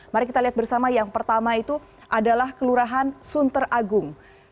mari kita lihat bersama yang pertama itu adalah kelurahan sunter agung